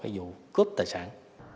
vụ cướp tài sản